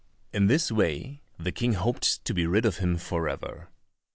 In this way the King hoped to be rid of him for ever.